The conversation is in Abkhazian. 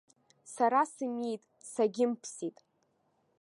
Сара сымиит, сагьымԥсит.